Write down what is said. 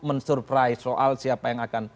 men surprise soal siapa yang akan